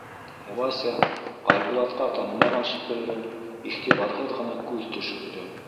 Вася Айбулатҡа, танымаған шикелле, иғтибарһыҙ ғына күҙ төшөрҙө.